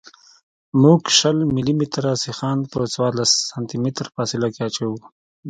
موږ شل ملي متره سیخان په څوارلس سانتي متره فاصله کې اچوو